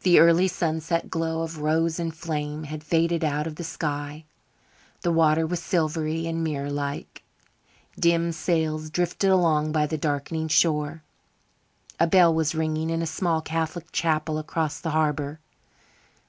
The early sunset glow of rose and flame had faded out of the sky; the water was silvery and mirror like; dim sails drifted along by the darkening shore. A bell was ringing in a small Catholic chapel across the harbour.